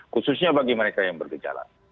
khususnya bagi mereka yang bergejala